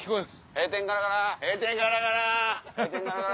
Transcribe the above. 閉店ガラガラ閉店ガラガラ。